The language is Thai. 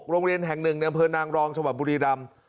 โรงเรียนแห่ง๑ในอำเภอนางรองชาวบรีรำ